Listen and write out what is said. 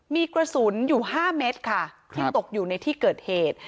มีกระสุนอยู่๕เมตรค่ะที่ตกอยู่ในที่เกิดเหตุ